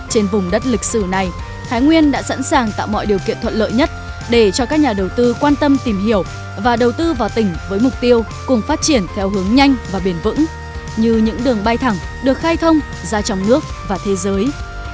tính năng động của chính quyền cải cách hành chính cải thiện môi trường đầu tư quan tâm tìm hiểu và đầu tư vào tỉnh với mục tiêu cùng phát triển theo hướng nhanh và bền vững như những đường bay thẳng được khai thông ra trong nước và thế giới